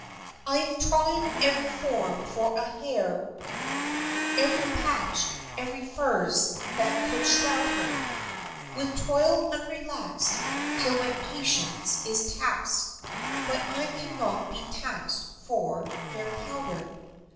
I have tried ev'ry form for a hare, Every patch, every furze that could shroud her, With toil unrelax'd, Till my patience is tax'd, But I cannot be tax'd for hare powder.